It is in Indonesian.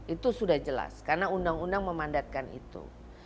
itu sudah jelas karena undang undang memandatkan itu